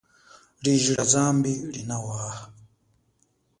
Liji lia zambi linawaha.